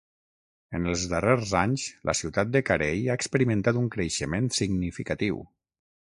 En els darrers anys, la ciutat de Carey ha experimentat un creixement significatiu.